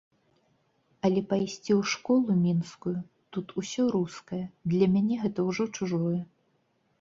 Але пайсці ў школу мінскую -тут усё рускае, для мяне гэта ўжо чужое.